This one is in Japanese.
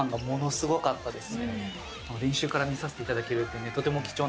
すごかったです。